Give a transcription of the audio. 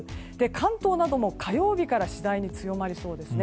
関東なども火曜日から次第に強まりそうです。